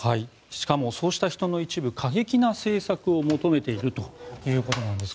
しかもそうした人の一部は過激な政策を求めているということです。